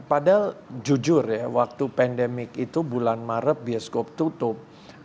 padahal jujur ya waktu pandemik itu bulan maret bioskop tutup